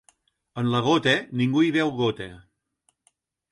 En la gota, ningú hi veu gota.